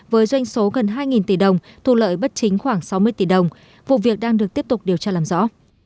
với doanh số gần hai tỷ đồng thu lợi bất chính khoảng sáu mươi tỷ đồng vụ việc đang được tiếp tục điều tra làm rõ